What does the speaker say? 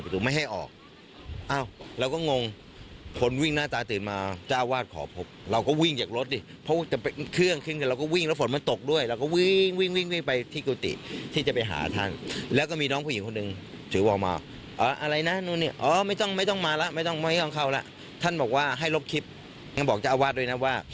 แต่สุดท้ายทุกคนก็ได้ออกจากวัดไปนะคะ